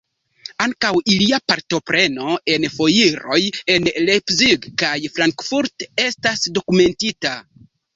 Ankaŭ ilia partopreno en foiroj en Leipzig kaj Frankfurt estas dokumentita.